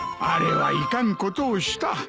あれはいかんことをした。